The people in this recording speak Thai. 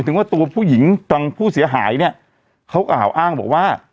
ถึงเสียหายเนี่ยเขากล่าวอ้างบอกว่า